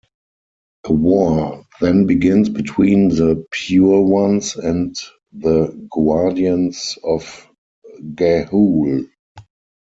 A war then begins between the Pure Ones and the Guardians of Ga'Hoole.